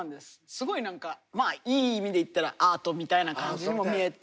すごい何かいい意味でいったらアートみたいな感じにも見えて。